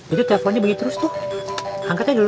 itu teleponnya bagi terus tuh angkatnya dulu